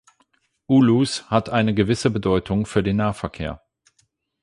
Ulus hat eine gewisse Bedeutung für den Nahverkehr.